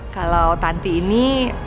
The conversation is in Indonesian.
kalau tante ini